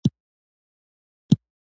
عباسي خلیفه یې وواژه.